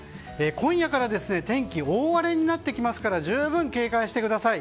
今夜から天気が大荒れになってきますから十分警戒してください。